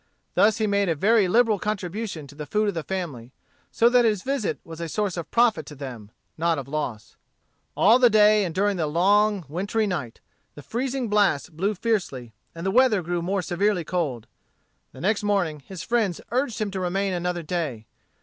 Thus he made a very liberal contribution to the food of the family, so that his visit was a source of profit to them, not of loss. All the day, and during the long wintry night, the freezing blasts blew fiercely, and the weather grew more severely cold. The next morning his friends urged him to remain another day.